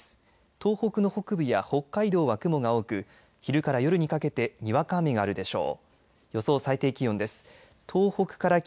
東北の北部や北海道は雲が多く昼から夜にかけてにわか雨があるでしょう。